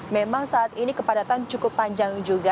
memang saat ini kepadatan cukup panjang juga